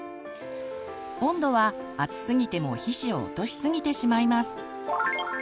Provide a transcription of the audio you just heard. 温度は熱すぎても皮脂を落とし過ぎてしまいます。